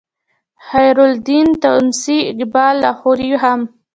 خیرالدین تونسي اقبال لاهوري هم